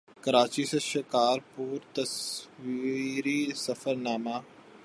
کراچی سے شکارپور تصویری سفرنامہ